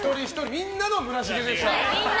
みんなの村重です！